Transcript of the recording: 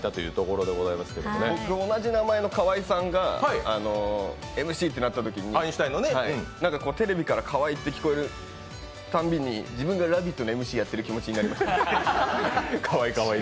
僕、同じ名前の河合さんがＭＣになったときにテレビから、カワイって聞こえるたびに自分で「ラヴィット！」のＭＣやってる気持ちになりました。